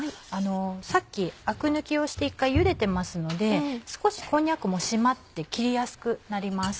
さっきアク抜きをして一回茹でてますので少しこんにゃくも締まって切りやすくなります。